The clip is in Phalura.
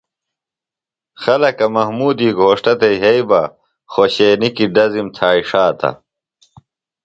خلکہ محمودی گھوݜٹہ تھےۡ یھئی بہ خوشینیۡ کیۡ ڈزم تھائی ݜاتہ۔